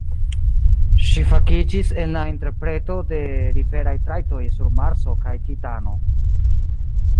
Ŝi fakiĝis en la interpreto de riveraj trajtoj sur Marso kaj Titano.